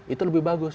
itu lebih bagus